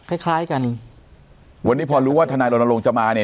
คล้ายคล้ายกันวันนี้พอรู้ว่าทนายรณรงค์จะมาเนี่ย